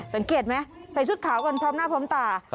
สังเกตไหมใส่ชุดขาวกันพร้อมหน้าพร้อมตา